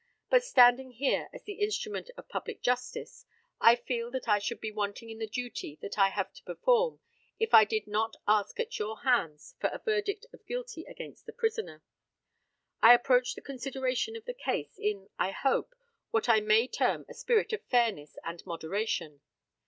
But, standing here as the instrument of public justice, I feel that I should be wanting in the duty that I have to perform if I did not ask at your hands for a verdict of guilty against the prisoner. I approach the consideration of the case in, I hope, what I may term a spirit of fairness and moderation.